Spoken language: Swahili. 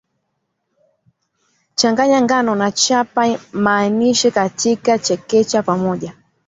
changanya ngano na chapa manaashi katika na chekecha pamoja